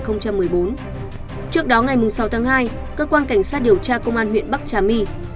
trước đó ngày sáu tháng hai cơ quan cảnh sát điều tra công an huyện bắc trà my